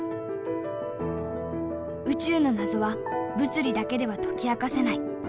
宇宙の謎は物理だけでは解き明かせない。